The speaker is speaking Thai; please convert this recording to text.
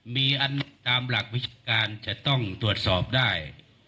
มีอันตามหลักวิชาการจะต้องตรวจสอบได้